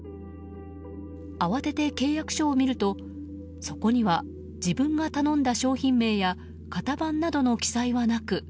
慌てて契約書を見るとそこには、自分が頼んだ商品名や型番などの記載はなく